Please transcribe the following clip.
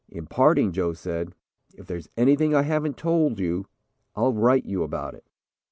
In parting, Joe said: "If there's anything I haven't told you, I'll write you about it."